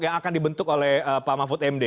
yang akan dibentuk oleh pak mahfud md